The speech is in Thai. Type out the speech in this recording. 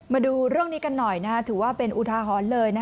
มาดูเรื่องนี้กันหน่อยถือว่าเป็นอุทาหรณ์เลย